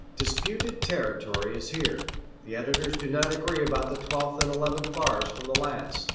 Disputed territory is here: the editors do not agree about the twelfth and eleventh bars from the last.